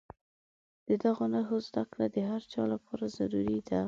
د دغو نښو زده کړه د هر چا لپاره ضروري ده.